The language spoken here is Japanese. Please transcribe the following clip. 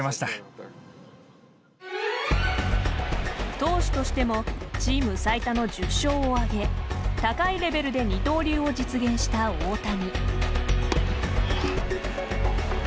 投手としてもチーム最多の１０勝を挙げ高いレベルで二刀流を実現した大谷。